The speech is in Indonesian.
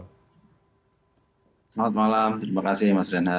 selamat malam terima kasih mas renhat